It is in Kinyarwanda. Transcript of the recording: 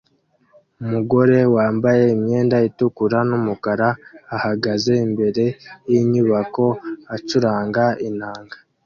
Umugore wambaye imyenda itukura n'umukara ahagaze imbere yinyubako acuranga inanga